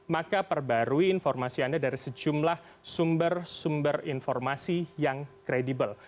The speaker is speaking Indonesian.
maka perbarui informasi anda dari sejumlah sumber sumber informasi yang kredibel